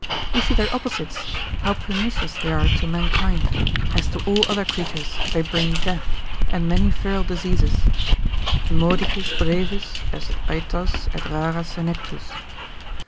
We see their opposites how pernicious they are to mankind, as to all other creatures they bring death, and many feral diseases: Immodicis brevis est aetas et rara senectus.